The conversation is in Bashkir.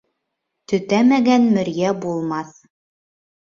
Төтәмәгән мөрйә булмаҫ.